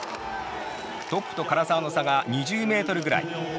トップと唐澤の差が２０ｍぐらい。